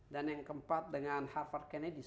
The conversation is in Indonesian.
dan yang keempat dengan harvard kennedy